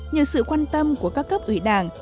nhờ sự quan tâm của các cấp ủy đảng